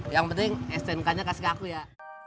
yang penting stnk nya kasih aku ya